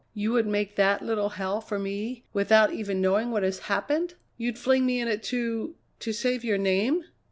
You would make that little hell for me without even knowing what has happened? You'd fling me in it to to save your name?"